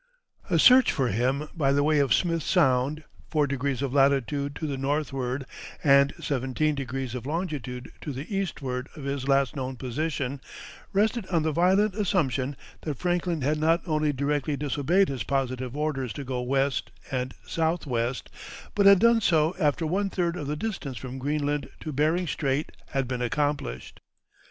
A search for him by the way of Smith Sound, four degrees of latitude to the northward and seventeen degrees of longitude to the eastward of his last known position, rested on the violent assumption that Franklin had not only directly disobeyed his positive orders to go west and southwest, but had done so after one third of the distance from Greenland to Behring Strait had been accomplished.